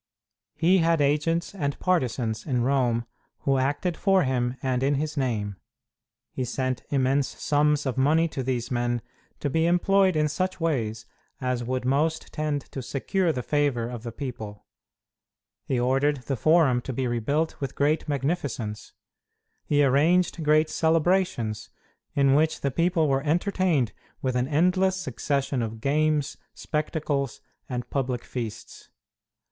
He had agents and partisans in Rome who acted for him and in his name. He sent immense sums of money to these men, to be employed in such ways as would most tend to secure the favor of the people. He ordered the Forum to be rebuilt with great magnificence. He arranged great celebrations, in which the people were entertained with an endless succession of games, spectacles, and public feasts.